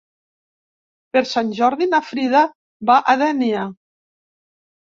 Per Sant Jordi na Frida va a Dénia.